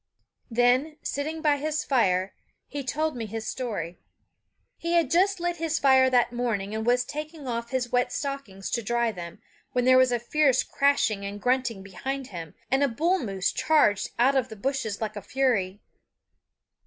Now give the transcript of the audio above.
Then, sitting by his fire, he told me his story. He had just lit his fire that morning, and was taking off his wet stockings to dry them, when there was a fierce crashing and grunting behind him, and a bull moose charged out of the bushes like a fury.